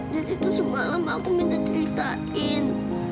jadi tuh semalam aku minta ceritain